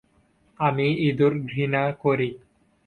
আমি ইঁদুর ঘৃণা করি।